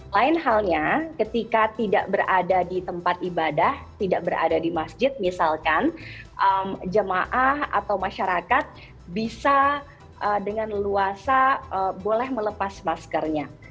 lain halnya ketika tidak berada di tempat ibadah tidak berada di masjid misalkan jemaah atau masyarakat bisa dengan luasa boleh melepas maskernya